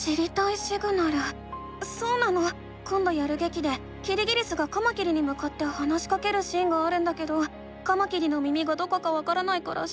そうなのこんどやるげきでキリギリスがカマキリにむかって話しかけるシーンがあるんだけどカマキリの耳がどこかわからないから知りたいの。